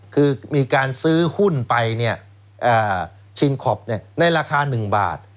คือมีการซื้อหุ้นไปชินคอปในราคา๑บาท